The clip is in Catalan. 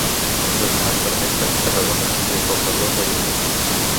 Empresonats per menystenir Tarragona des del fervor veïnal.